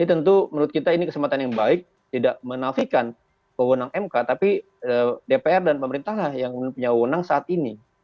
tentu menurut kita ini kesempatan yang baik tidak menafikan pewenang mk tapi dpr dan pemerintah yang punya wewenang saat ini